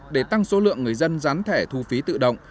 để tăng số lượng người dân gián thẻ thu phí tự động